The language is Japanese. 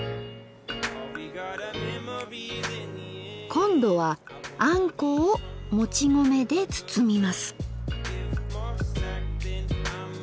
今度はあんこをもち米でつつみます。